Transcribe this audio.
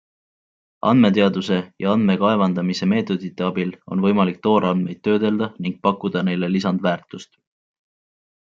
Andmeteaduse ja andmekaevandamise meetodite abil on võimalik toorandmeid töödelda ning pakkuda neile lisandväärtust.